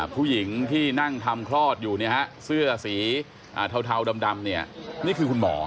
ผู้หญิงที่นั่งทำคลอดอยู่เสื้อสีเทาดำนี่คือคุณหมอ